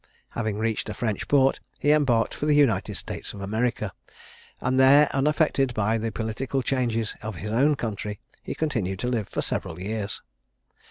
Having reached a French port, he embarked for the United States of America, and there, unaffected by the political changes of his own country, he continued to live for several years.